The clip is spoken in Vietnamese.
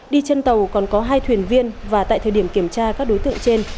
đi trên tàu còn có hai thuyền viên và tại thời điểm kiểm tra các đối tượng trên